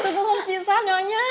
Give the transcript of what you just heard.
gak tunggu mau pisah nyonya